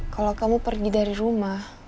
kalau kamu pergi dari rumah